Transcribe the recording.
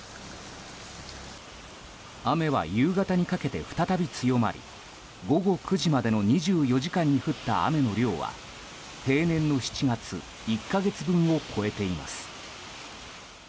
雨は夕方にかけて再び強まり午後９時までの２４時間に降った雨の量は平年の７月１か月分を超えています。